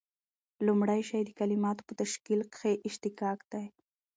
لومړی شی د کلیماتو په تشکیل کښي اشتقاق دئ.